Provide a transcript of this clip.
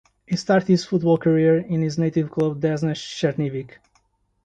He started his football career in his native club Desna Chernihiv.